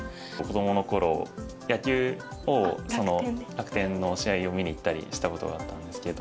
楽天の試合を見に行ったりしたことがあったんですけど。